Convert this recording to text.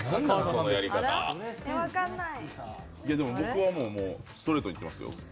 僕はもう、ストレートにいってますよ。